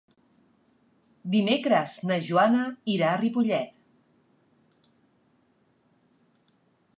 Dimecres na Joana irà a Ripollet.